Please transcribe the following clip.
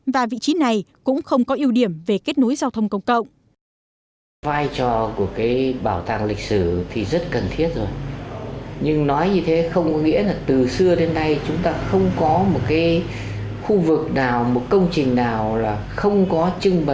và vị trí này cũng không có ưu điểm về kết nối giao thông công cộng